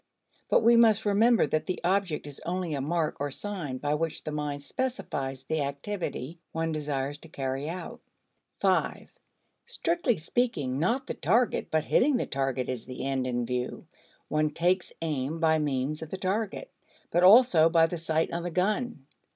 But we must remember that the object is only a mark or sign by which the mind specifies the activity one desires to carry out. Strictly speaking, not the target but hitting the target is the end in view; one takes aim by means of the target, but also by the sight on the gun.